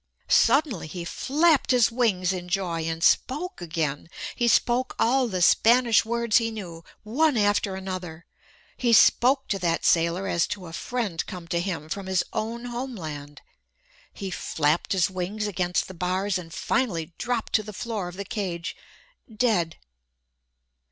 Suddenly he flapped his wings in joy, and spoke again. He spoke all the Spanish words he knew, one after another. He spoke to that sailor as to a friend come to him from his own home land. He flapped his wings against the bars, and finally dropped to the floor of the cage, dead.